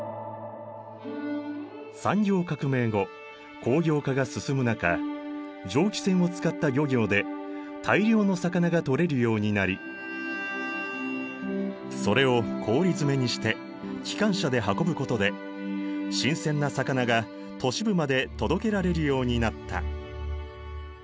産業革命後工業化が進む中蒸気船を使った漁業で大量の魚が取れるようになりそれを氷詰めにして機関車で運ぶことで新鮮な魚が都市部まで届けられるようになった。